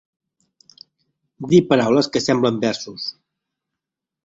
Dir paraules que semblen versos